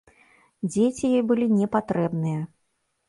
Дзеці ёй былі не патрэбныя.